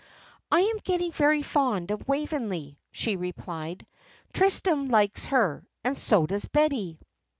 "I am getting very fond of Waveney," she replied. "Tristram likes her, and so does Betty."